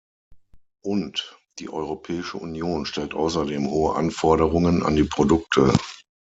Und die Europäische Union stellt außerdem hohe Anforderungen an die Produkte.